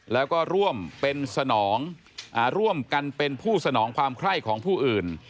แล้วก็ร่วมเป็นสนองร่วมกันเป็นผู้สนองความไคร้ของผู้อื่น